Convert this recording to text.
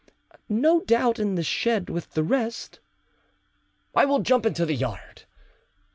"No doubt in the shed with the rest." "I will jump into the yard."